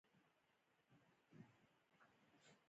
باور د ټولنې د دوام او پرمختګ ضامن دی.